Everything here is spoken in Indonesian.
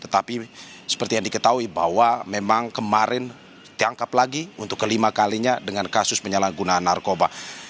tetapi seperti yang diketahui bahwa memang kemarin dianggap lagi untuk kelima kalinya dengan kasus penyalahgunaan narkoba